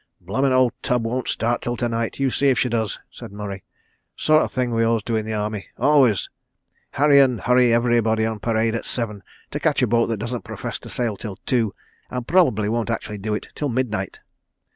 "Blooming old tub won't start till to night—you see'f she does," said Murray. "Sort of thing we always do in the Army. ... Always. ... Harry and hurry everybody on parade at seven, to catch a boat that doesn't profess to sail till two, and probably won't actually do it till midnight."